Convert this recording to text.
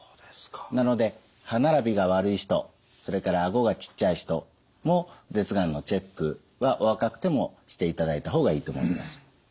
なので歯並びが悪い人それから顎がちっちゃい人も舌がんのチェックはお若くてもしていただいた方がいいと思います。